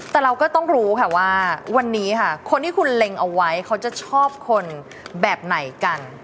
แต่เราก็ต้องรู้ค่ะว่าวันนี้ค่ะคนที่คุณเล็งเอาไว้เขาจะชอบคนแบบไหนกัน